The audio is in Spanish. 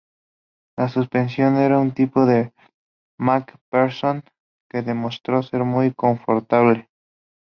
La suspensión era una de tipo MacPherson que demostró ser muy confortable.